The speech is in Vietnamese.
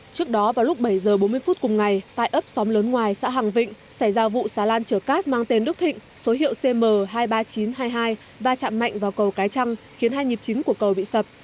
trước đó vào lúc bảy h bốn mươi phút cùng ngày tại ấp xóm lớn ngoài xã hàng vịnh xảy ra vụ xà lan chở cát mang tên đức thịnh số hiệu cm hai mươi ba nghìn chín trăm hai mươi hai và chạm mạnh vào cầu cái trăm khiến hai nhịp chính của cầu bị sập